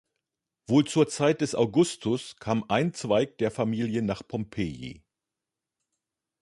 Wohl zur Zeit des Augustus kam ein Zweig der Familie nach Pompeji.